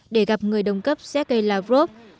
để gặp người đồng cấp zekai lavrov